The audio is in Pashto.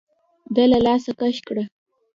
ده له لاسه کش کړه.